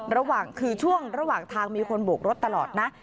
ระหว่างทางมีคนโบกรถตลอดนะ